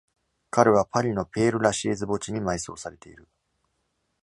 彼はパリのペール・ラシェーズ墓地に埋葬されている。